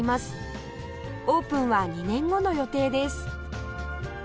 オープンは２年後の予定です